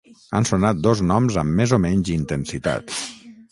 Han sonat dos noms amb més o menys intensitat.